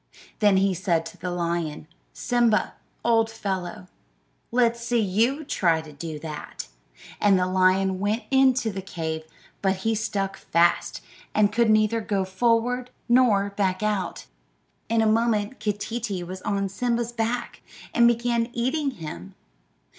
Then he said to the lion, "Simba, old fellow, let's see you try to do that;" and the lion went into the cave, but he stuck fast, and could neither go forward nor back out. In a moment Keeteetee was on Simba's back, and began eating him.